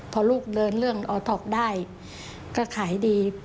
พอลูกเดินเรื่องออท็อกได้ก็ขายดี